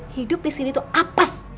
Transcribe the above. hidup disini tuh apes